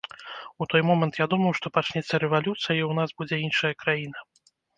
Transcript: У той момант я думаў, што пачнецца рэвалюцыя і ў нас будзе іншая краіна.